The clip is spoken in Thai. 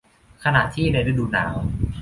ขณะที่ในฤดูหนาว